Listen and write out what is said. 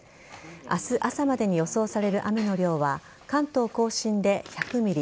明日朝までに予想される雨の量は関東甲信で１００ｍｍ